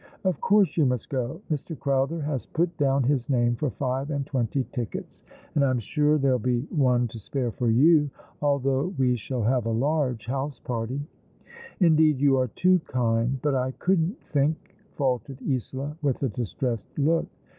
Of course you must go. Mr. Crowther has put down his name for five and twenty tickets, and I'm sure there'll be one to spare for you, although we shall have a large house party." " Indeed, you are too kind, but I couldn't think " faltered Isola, with a distressed look.